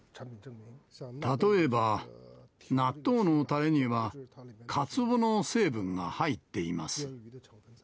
例えば、納豆のたれには、かつおの成分が入っています。